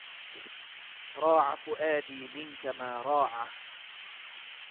راع فؤادي منك ما راعه